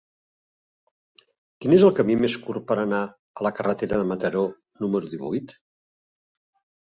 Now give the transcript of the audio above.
Quin és el camí més curt per anar a la carretera de Mataró número divuit?